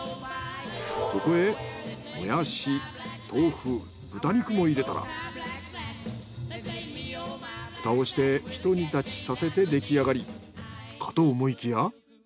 そこへモヤシ豆腐豚肉も入れたら蓋をしてひと煮立ちさせて出来上がりかと思いきや。